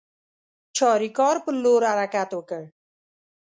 چاریکار پر لور حرکت وکړ.